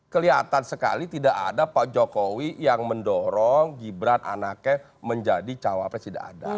kelihatan sekali tidak ada pak jokowi yang mendorong gibran anake menjadi cawapresida